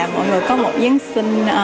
mọi người có một giáng sinh